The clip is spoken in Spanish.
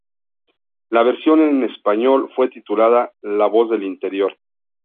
La versión en español fue titulada "La voz del interior".